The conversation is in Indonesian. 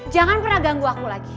jangan pernah ganggu aku lagi